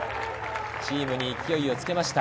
チームに勢いをつけました。